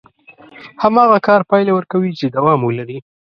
هماغه کار پايله ورکوي چې دوام ولري.